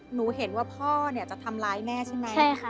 หนูเห็นว่าพ่อจะทำร้ายแม่ใช่ไหม